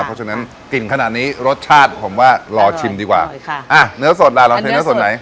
เพราะฉะนั้นกลิ่นขนาดนี้รสชาติผมว่ารอชิมดีกว่าใช่ค่ะอ่ะเนื้อสดล่ะเราเคยเนื้อสดไหน